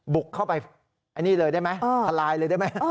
บุกเข้าไปผลลายเลยได้ไหม